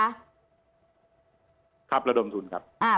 ครับระดมทุนครับ